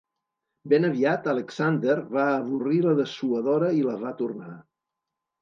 Ben aviat, Alexander va avorrir la dessuadora i la va tornar.